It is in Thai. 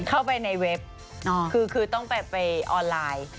เข้าไปในเว็บคือต้องไปออนไลน์